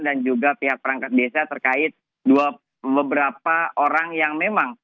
dan juga pihak perangkat desa terkait beberapa orang yang memang